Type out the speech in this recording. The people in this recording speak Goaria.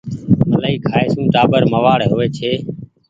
ملآئي کآئي سون ٽآٻر موآڙ هووي ڇي